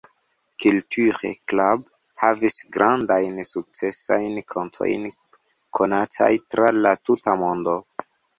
Culture Club havis grandajn sukcesajn kantojn konataj tra la tuta mondo.